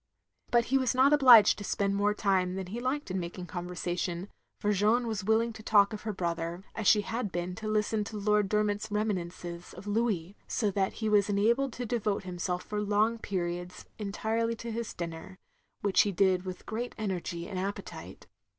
But he was not obliged to spend more time than he liked in making conversation, for Jeanne was willing to talk of her brother, as she had been to listen to Lord Dermot's reminiscences of Louis, so that he was enabled to devote himself for long periods, entirely to his dinner, which he did with great energy and appetite.